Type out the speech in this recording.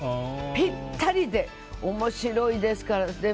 ぴったりで面白いですからね。